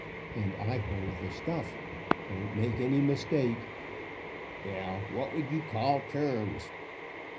"And I hold the stuff. Don't make any mistake." "Well, what would you call terms?"